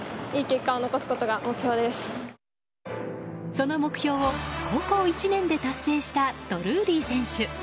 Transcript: その目標を高校１年で達成した、ドルーリー選手。